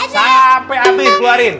sampai abis keluarin